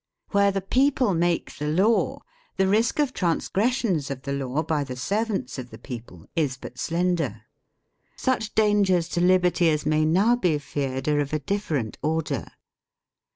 Where the people make the law, the risk of transgressions of the law by the servants of the people is but slender. Such dangers to liberty as may now be feared are of a different order.